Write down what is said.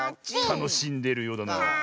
たのしんでいるようだな。